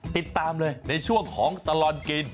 ติดตามเลยในช่วงของตลอดกิน